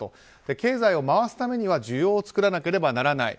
経済を回すためには需要を作らなければならない。